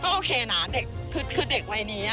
ก็โอเคนะคือเด็กวัยนี้